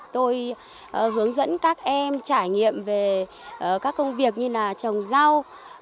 tôi hướng dẫn các em trải nghiệm về các công việc như là trồng rau